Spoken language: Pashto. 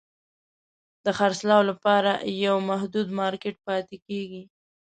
د خرڅلاو لپاره یو محدود مارکېټ پاتې کیږي.